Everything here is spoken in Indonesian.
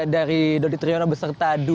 dari dodi triyono beserta